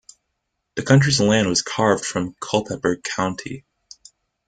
The county's land was carved from Culpeper County.